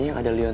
terima kasih boy